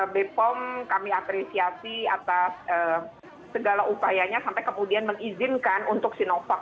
bepom kami apresiasi atas segala upayanya sampai kemudian mengizinkan untuk sinovac